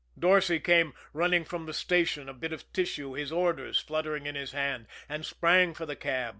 Dorsay came running from the station, a bit of tissue, his orders, fluttering in his hand, and sprang for the cab.